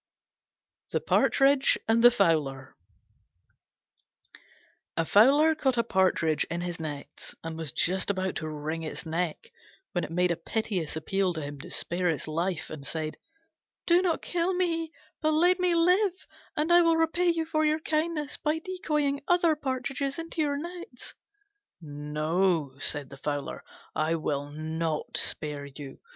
THE PARTRIDGE AND THE FOWLER A Fowler caught a Partridge in his nets, and was just about to wring its neck when it made a piteous appeal to him to spare its life and said, "Do not kill me, but let me live and I will repay you for your kindness by decoying other partridges into your nets." "No," said the Fowler, "I will not spare you.